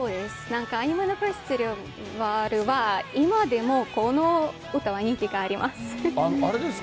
なんかアニメのフェスティバルは、今でもこの歌は人気があります。